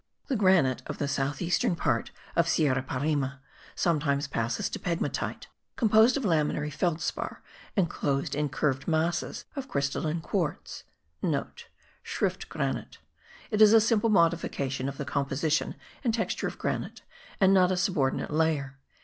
The granite of the south eastern part of Sierra Parime sometimes passes to pegmatite,* composed of laminary felspar, enclosed in curved masses of crystalline quartz. (* Schrift granit. It is a simple modification of the composition and texture of granite, and not a subordinate layer.